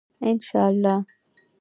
انشاالله.